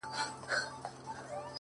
سیاه پوسي ده; ستا غمِستان دی;